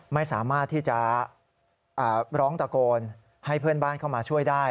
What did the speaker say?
ไม่สามารถที่จะร้องตะโกนให้เพื่อนบ้านเข้ามาช่วยได้